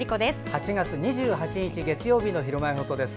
８月２８日月曜日の「ひるまえほっと」です。